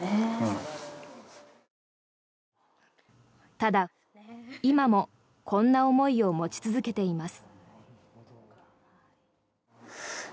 ただ、今もこんな思いを持ち続けています。